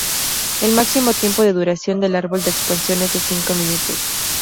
El máximo tiempo de duración del árbol de expansión es de cinco minutos.